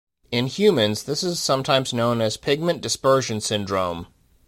In humans, this is sometimes known as pigment dispersion syndrome.